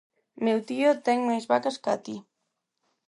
Meu tío ten máis vacas ca ti.